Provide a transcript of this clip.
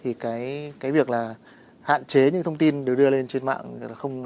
thì cái việc là hạn chế những thông tin đều đưa lên trên mạng